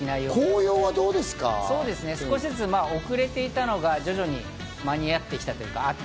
紅葉は少しずつ遅れていたのが徐々に間に合ってきた。